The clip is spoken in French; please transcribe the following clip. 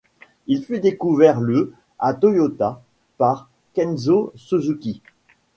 Il fut découvert le à Toyota par Kenzo Suzuki.